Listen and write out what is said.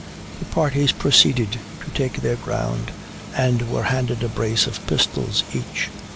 The parties proceeded to take their ground, and were handed a brace of pistols each.